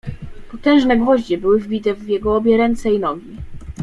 "Potężne gwoździe były wbite w jego obie ręce i nogi."